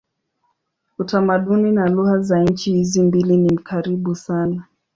Utamaduni na lugha za nchi hizi mbili ni karibu sana.